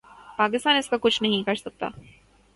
پاکستان اس کا کچھ نہیں کر سکتا۔